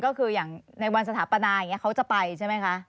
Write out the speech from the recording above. ก็คืออย่างในวันสถาปนาเขาจะไปใช่ไหมคะ